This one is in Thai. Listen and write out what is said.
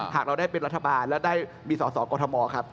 หากเราได้เป็นรัฐบาลและได้มีสอสอกรทมครับ